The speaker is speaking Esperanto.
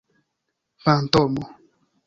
fantomo